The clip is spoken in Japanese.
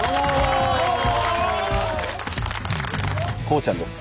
孝ちゃんです。